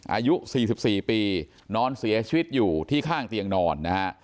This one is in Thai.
อายุ๔๔ปีนอนเสียชีวิตอยู่ที่ข้างเตียงนอนนะฮะ